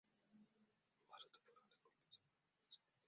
ভারতে পুরাণের গল্প চাপা পড়িয়াছে, তাহার ভাব রহিয়া গিয়াছে।